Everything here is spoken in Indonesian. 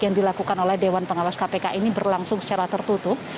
yang dilakukan oleh dewan pengawas kpk ini berlangsung secara tertutup